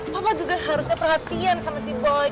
papa juga harusnya perhatian sama si boy